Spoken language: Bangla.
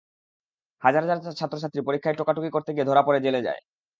হাজার হাজার ছাত্রছাত্রী পরীক্ষায় টোকাটুকি করতে গিয়ে ধরা পড়ে জেলে যায়।